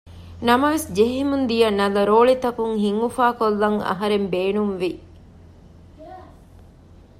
ނަމަވެސް ޖެހެމުންދިޔަ ނަލަ ރޯޅިތަކުން ހިތްއުފާކޮށްލަން އަހަރެން ބޭނުންވި